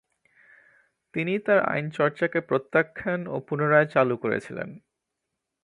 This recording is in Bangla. তিনি তার আইনচর্চাকে প্রত্যাখ্যান ও পুনরায় চালু করেছিলেন।